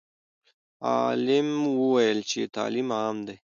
عالم وویل چې تعلیم عام دی.